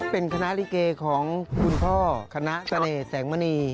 เป็นคณะลิเกของคุณพ่อคณะเสน่ห์แสงมณี